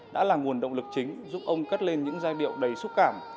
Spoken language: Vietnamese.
đã là nguồn động lực chính giúp ông cất lên những giai điệu đầy xúc cảm